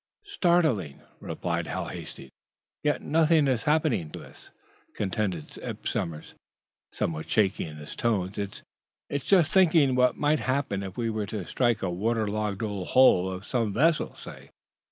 "Startling," replied Hal Hastings. "Yet nothing is happening to us," contended Eph Somers, somewhat shaky in his tones. "It's just thinking what might happen if we were to strike a water logged old hull of some vessel, say."